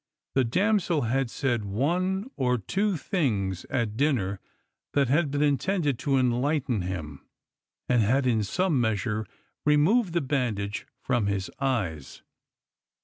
The damsel had said one or two thiugs at dinner that had been intended to enlighten him, and had in some measure removed the bandage from his eyes.